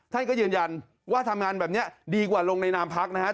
ท่านก็ยืนยันว่าทำงานแบบนี้ดีกว่าลงในนามพักนะครับ